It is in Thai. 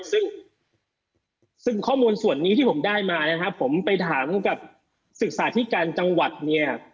ซึ่งซึ่งข้อมูลส่วนนี้ที่ผมได้มานะครับผมไปถามกับศึกษาธิการจังหวัดเนี่ย